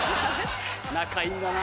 仲いいんだな。